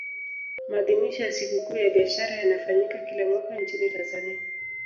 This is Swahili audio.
maadhimisho ya sikukuu ya biashara yanafanyika kila mwaka nchini tanzania